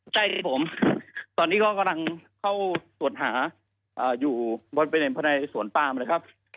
ใช่ครับผมตอนนี้ก็กำลังเข้าสวดหาอยู่บริเวณภนัยสวนปาล์มนะครับ